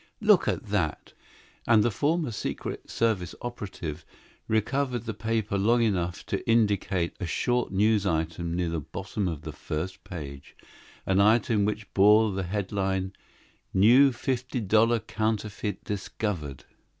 "Look at that!" And the former Secret Service operative recovered the paper long enough to indicate a short news item near the bottom of the first page an item which bore the headline, "New Fifty Dollar Counterfeit Discovered."